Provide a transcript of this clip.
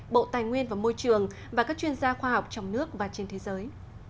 bộ tài nguyên và môi trường và các chuyên gia khoa học trong nước và trên thế giới